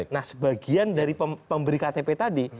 nah sebagian dari pemberi ktp tadi